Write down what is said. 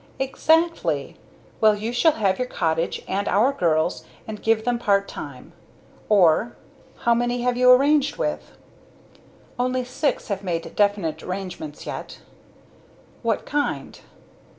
"Exactly! Well, you shall have your cottage and our girls and give them part time. Or how many have you arranged with?" "Only six have made definite engagements yet." "What kind?"